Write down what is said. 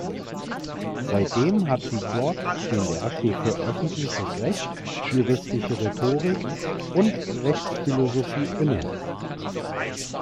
Seitdem hat sie dort den Lehrstuhl für Öffentliches Recht, juristische Rhetorik und Rechtsphilosophie inne.